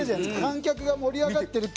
観客が盛り上がってる。